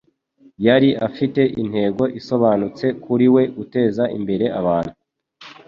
Yari afite intego isobanutse kuri we: guteza imbere abantu. ”